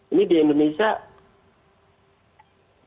ini di indonesia